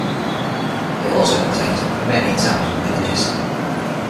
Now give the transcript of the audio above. It also contains many towns and villages.